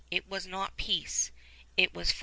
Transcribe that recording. It was not peace; it was farce.